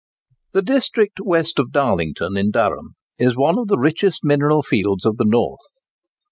The district west of Darlington, in Durham, is one of the richest mineral fields of the North.